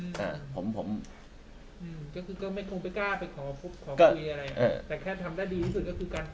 ก็คือไม่ทรงไปกล้าไปขอคุยอะไรแต่แค่ทำได้ดีที่สุดก็คือการเปิด